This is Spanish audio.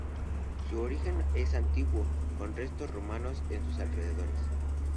Su origen es antiguo, con restos romanos en sus alrededores.